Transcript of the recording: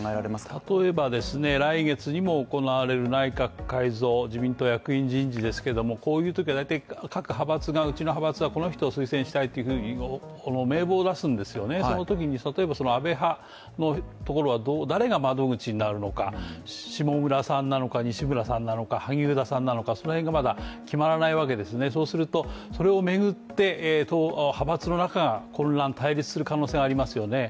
例えば来月にも行われる内閣改造自民党役員人事ですけれどもこういうときは各派閥がうちの派閥はこの人を推薦したいとそのときに例えば、安倍派のところは誰が窓口になるのか、下村さんなのか西村さんなのか、萩生田さんなのかその辺がまだ決まらないわけですね、そうするとそれを巡って派閥の中が混乱・対立する可能性がありますよね。